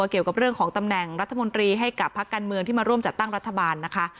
เกี่ยวกับเรื่องของตำแหน่งรัฐมนตรีให้กับพักการเมืองที่มาร่วมจัดตั้งรัฐบาลนะคะ